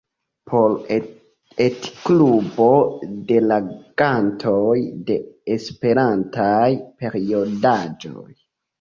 Por etklubo de legantoj de esperantaj periodaĵoj.